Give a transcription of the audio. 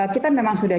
kita memang sudah